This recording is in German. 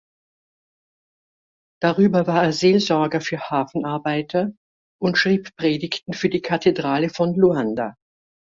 Darüber war er Seelsorger für Hafenarbeiter und schrieb Predigten für die Kathedrale von Luanda.